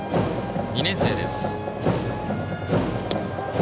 ２年生です。